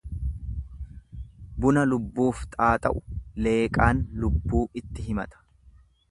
Buna lubbuuf xaaxa'u Leeqaan lubbuu itti himata.